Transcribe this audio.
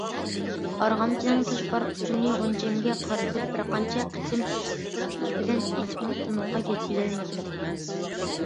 ئارغامچىنىڭ تاش بار ئۇچىنى غۇنچەمگە قارىتىپ، بىر قانچە قېتىم كۈچ بىلەن ئېتىپمۇ ئۇنىڭغا يەتكۈزەلمىدىم.